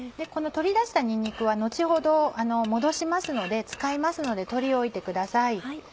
この取り出したにんにくは後ほど戻しますので使いますので取り置いてください。